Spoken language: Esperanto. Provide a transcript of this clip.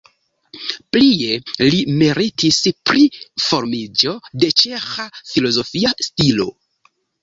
Plie li meritis pri formiĝo de ĉeĥa filozofia stilo.